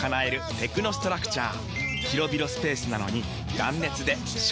テクノストラクチャー！